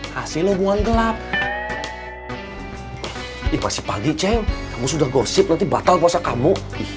hasil hubungan gelap di pasipagi ceng sudah gosip nanti batal puasa kamu